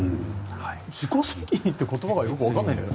自己責任って言葉がよくわからないんだけど。